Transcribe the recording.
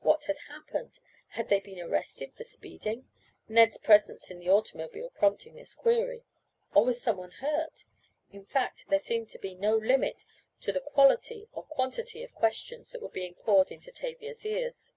What had happened? Had they been arrested for speeding? (Ned's presence in the automobile prompting this query), or was someone hurt? In fact, there seemed to be no limit to the quality or quantity of questions that were being poured into Tavia's ears.